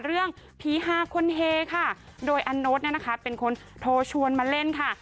เรื่องผีฮาคนเฮค่ะโดยอันโน๊ตเนี่ยนะคะเป็นคนโทรชวนมาเล่นค่ะ